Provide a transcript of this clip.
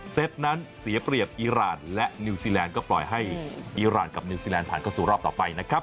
นั้นเสียเปรียบอีรานและนิวซีแลนด์ก็ปล่อยให้อีรานกับนิวซีแลนดผ่านเข้าสู่รอบต่อไปนะครับ